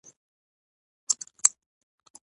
ده له المارۍ څخه سپين ټوکر واخېست.